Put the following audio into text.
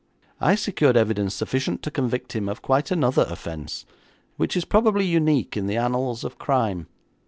I secured evidence sufficient to convict him of quite another offence, which is probably unique in the annals of crime.